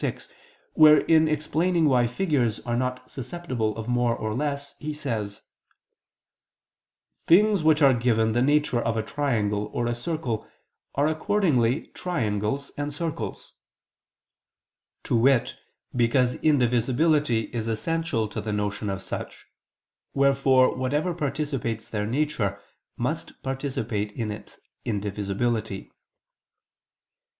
vi), where in explaining why figures are not susceptible of more or less, he says: "Things which are given the nature of a triangle or a circle, are accordingly triangles and circles": to wit, because indivisibility is essential to the motion of such, wherefore whatever participates their nature must participate it in its indivisibility.